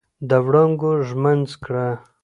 د وړانګو ږمنځ کړه